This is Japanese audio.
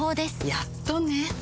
やっとね